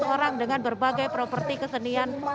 empat ratus orang dengan berbagai properti kesenian